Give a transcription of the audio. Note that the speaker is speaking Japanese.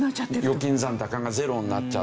預金残高がゼロになっちゃった。